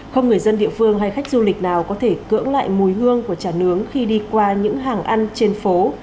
không người dân địa phương hay khách du lịch nào có thể cưỡng lại mùi hương của trà nướng khi đi qua những hàng ăn trên phố